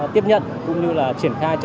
tiếp nhận cũng như là triển khai